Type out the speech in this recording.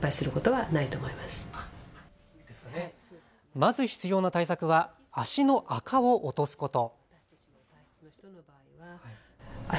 まず必要な対策は足のあかを落とすこと。